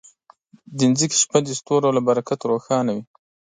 د ځمکې شپه د ستورو له برکته روښانه وي.